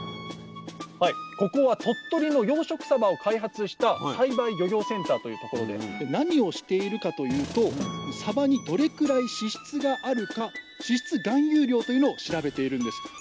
ここは鳥取の養殖サバを開発した栽培漁業センターというところで何をしているかというとサバにどれくらい脂質があるか脂質含有量というのを調べているんです。